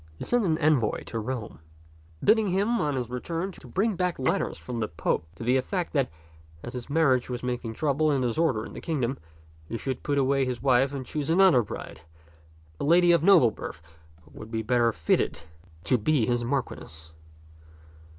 He sent an envoy to Rome, bidding him on his return to bring 152 t^t Ckxk'0 tak back letters from the Pope to the effect that, as his marriage was making trouble and disorder in the kingdom, he should put away his wife and choose another bride, a lady of noble birth who would be better fitted to be his marchioness.